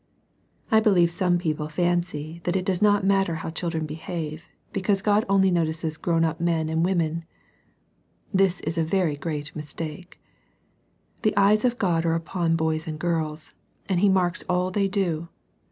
I believe some people fancy that it does not matter how children behave, because God only notices grown up men and women. This is a very great mistake. The eyes of God are upon boys and girls, and He marks all they do.